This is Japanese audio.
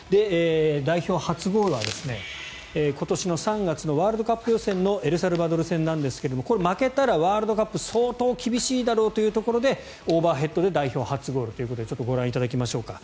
代表初ゴールは今年の３月のワールドカップ予選のエルサルバドル戦なんですがこれ負けたらワールドカップ相当厳しいだろうというところでオーバーヘッドで代表初ゴールということでご覧いただきましょうか。